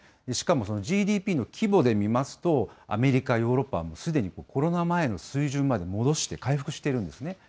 しかもＧＤＰの規模で見ますと、アメリカ、ヨーロッパはもうすでにコロナ前の水準まで戻して、回復してるんですね。